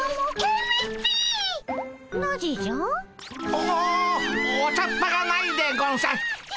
おお茶っ葉がないでゴンス。